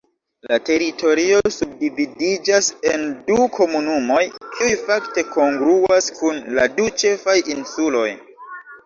La teritorio subdividiĝas en du komunumoj, kiuj fakte kongruas kun la du ĉefaj insuloj.